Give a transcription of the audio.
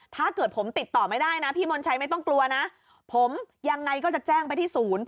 ถ้าเกิดผมติดต่อไม่ได้นะพี่มนชัยไม่ต้องกลัวนะผมยังไงก็จะแจ้งไปที่ศูนย์